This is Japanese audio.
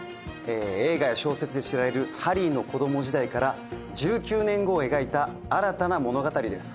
映画や小説で知られるハリーの子供時代から１９年後を描いた新たな物語です